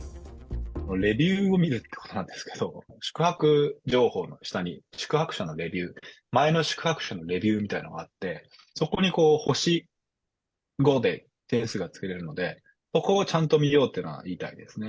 レビューを見るってことなんですけど、宿泊情報の下に宿泊者のレビュー、前の宿泊者のレビューみたいのがあって、そこに星５で点数がつけられるので、そこをちゃんと見ようっていうのは言いたいですね。